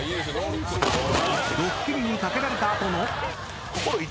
［ドッキリにかけられた後の］